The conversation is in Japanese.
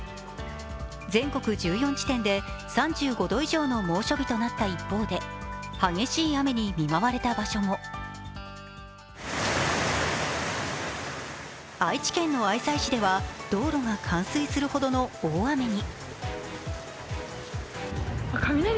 全国１４地点で３５度以上の猛暑日となった一方で激しい雨に見舞われた場所も愛知県の愛西市では道路が冠水するほどの大雨に。